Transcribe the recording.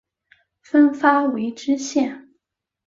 分发为知县。